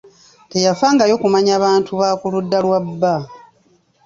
Teyafangayo kumanya bantu ba ku ludda lwa bba.